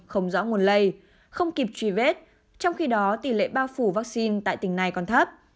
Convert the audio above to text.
không rõ nguồn lây không kịp truy vết trong khi đó tỷ lệ bao phủ vaccine tại tỉnh này còn thấp